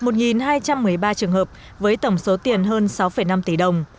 một hai trăm một mươi ba trường hợp với tổng số tiền hơn sáu năm tỷ đồng